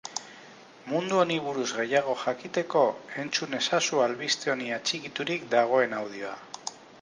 Mundu honi buruz gehiago jakiteko entzun ezazu albiste honi atxikiturik dagoen audioa.